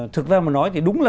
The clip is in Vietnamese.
thực ra mà nói thì đúng là